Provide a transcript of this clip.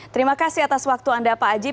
terima kasih atas waktu anda pak ajib